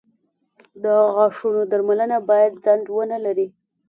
• د غاښونو درملنه باید ځنډ ونه لري.